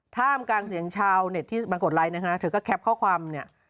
ท่ามกลางเสียงชาวเน็ตที่มากดไลค์นะฮะเธอก็แคปข้อความเนี่ย